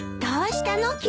どうしたの？